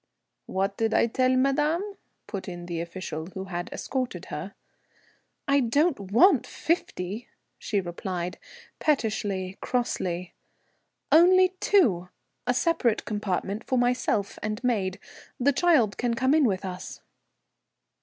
"What did I tell madame?" put in the official who had escorted her. "I don't want fifty," she replied, pettishly, crossly, "only two. A separate compartment for myself and maid; the child can come in with us."